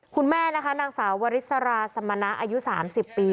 คุณแม่นะคะนางสาววริสราสมณะอายุ๓๐ปี